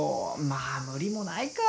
まあ無理もないか。